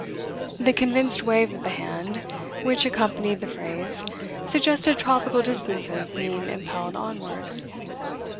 The convinced wave of the hand which accompanied the phrase suggested tropical distances being impelled onward.